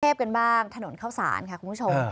กระเทศกันบ้างถนนข้าวสารค่ะครับคุณผู้ชม